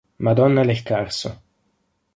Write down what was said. Madonna del Carso